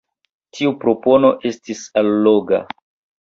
Tiu propono estis alloga.